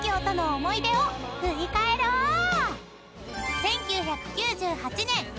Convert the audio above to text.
［１９９８年］